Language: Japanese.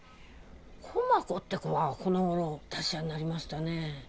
駒子って子はこのごろ達者になりましたね。